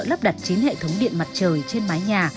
lắp đặt chín hệ thống điện mặt trời trên mái nhà